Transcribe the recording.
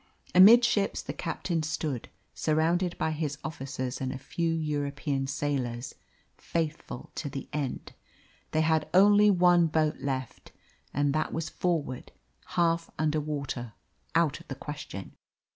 Amidships the captain stood, surrounded by his officers and a few European sailors faithful to the end. They had only one boat left, and that was forward, half under water out of the question.